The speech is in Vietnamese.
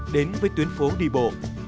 đến với tuyến phố đi bộ